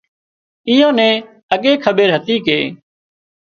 ايئان نين اڳي کٻير هتي ڪي